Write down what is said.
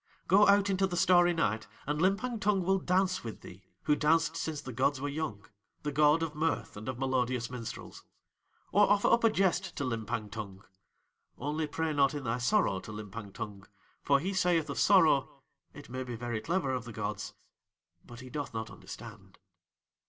"Go out into the starry night, and Limpang Tung will dance with thee who danced since the gods were young, the god of mirth and of melodious minstrels. Or offer up a jest to Limpang Tung; only pray not in thy sorrow to Limpang Tung, for he saith of sorrow: 'It may be very clever of the gods,' but he doth not understand."